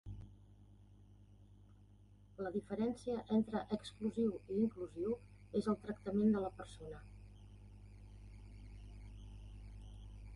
La diferència entre exclusiu i inclusiu és el tractament de la persona.